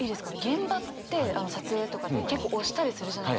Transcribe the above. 現場って撮影とかで結構押したりするじゃないですか。